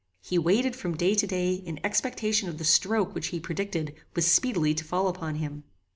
He waited from day to day in expectation of the stroke which he predicted was speedily to fall upon him.